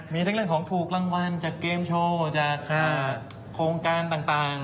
มีทั้งเรื่องของถูกรางวัลจากเกมโชว์จากโครงการต่าง